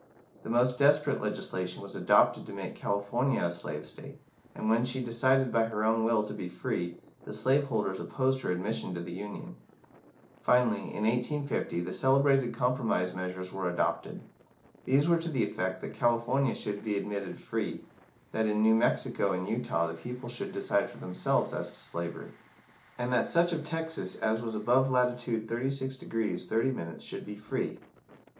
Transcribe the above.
The most desperate legislation was adopted to make California a slave state, and when she decided by her own will to be free, the slave holders opposed her admission to the Union. Finally, in 1850, the celebrated Compromise Measures were adopted. These were to the effect that California should be admitted free that in New Mexico and Utah the people should decide for themselves as to slavery and that such of Texas as was above latitude 36° 30´ should be free.